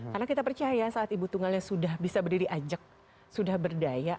karena kita percaya saat ibu tunggalnya sudah bisa berdiri ajak sudah berdaya